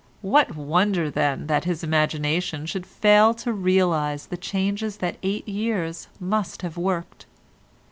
What wonder, then, that his imagination should fail to realise the changes that eight years must have worked?